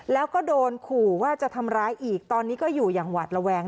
แล้วก็โดนขู่ว่าจะทำร้ายอีกตอนนี้ก็อยู่อย่างหวาดระแวง